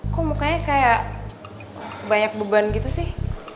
kok mukanya kayak banyak beban gitu sih